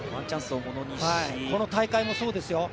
この大会もそうですよ。